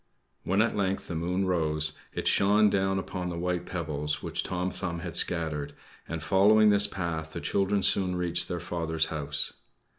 When at length the moon rose, it shone down upon the white pebbles which Tom Thumb had scattered; and, following this path, the children soon reached their father's house.